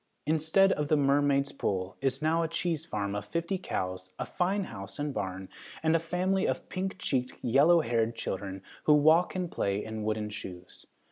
Instead of the Mermaid's Pool is now a cheese farm of fifty cows, a fine house and barn, and a family of pink cheeked, yellow haired children who walk and play in wooden shoes.